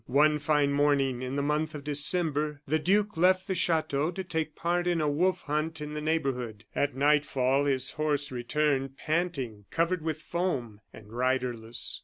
One fine morning in the month of December, the duke left the chateau to take part in a wolf hunt in the neighborhood. At nightfall, his horse returned, panting, covered with foam, and riderless.